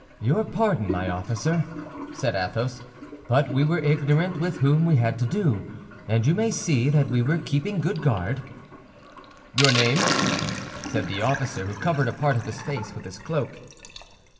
"Your pardon, my officer," said Athos; "but we were ignorant with whom we had to do, and you may see that we were keeping good guard." "Your name?" said the officer, who covered a part of his face with his cloak.